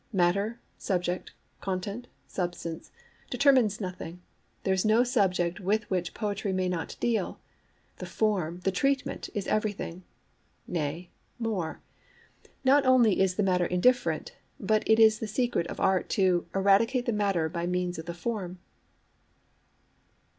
Matter, subject, content, substance, determines nothing; there is no subject with which poetry may not deal: the form, the treatment, is everything. Nay, more: not only is the matter indifferent, but it is the secret of Art to "eradicate the matter by means of the form."'